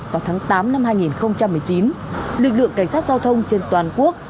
vào tháng tám năm hai nghìn một mươi chín lực lượng cảnh sát giao thông trên toàn quốc